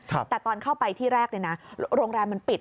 แต่ตอนเข้าไปที่แรกโรงแรมมันปิด